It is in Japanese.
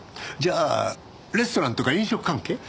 じゃあレストランとか飲食関係？